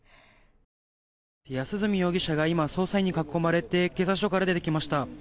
安栖容疑者が今、捜査員に囲まれて警察署から出てきました。